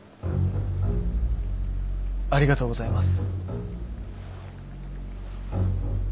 ありがとうございます。